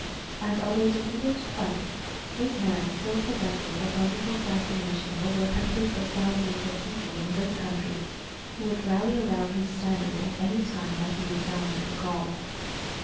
And although defeated twice, this man still possesses a wonderful fascination over hundreds of thousands of people in this country, who would rally around his standard at any time that he would sound the call.